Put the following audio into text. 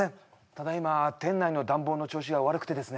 ただいま店内の暖房の調子が悪くてですね